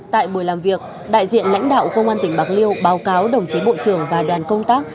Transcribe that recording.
tại buổi làm việc đại diện lãnh đạo công an tỉnh bạc liêu báo cáo đồng chí bộ trưởng và đoàn công tác